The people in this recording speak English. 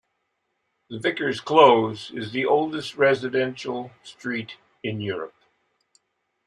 The Vicars' Close is the oldest residential street in Europe.